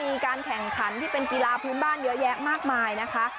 มีการแข่งขันที่เป็นกีฬาพื้นบ้านเยอะแยะมากมายนะคะ